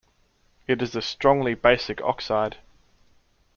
It is a strongly basic oxide.